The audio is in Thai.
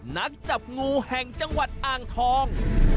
นักจับงูแห่งจังหวัดอ่างทอง